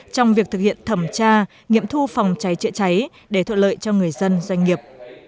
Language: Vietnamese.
trong việc thực hiện thẩm tra nghiệm thu phòng cháy chữa cháy để thuận lợi cho người dân doanh nghiệp